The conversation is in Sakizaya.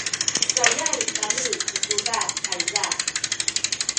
cayay kami picudad ayza